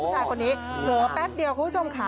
ผู้ชายคนนี้เผลอแป๊บเดียวคุณผู้ชมค่ะ